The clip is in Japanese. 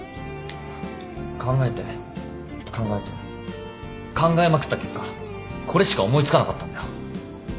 考えて考えて考えまくった結果これしか思い付かなかったんだよ。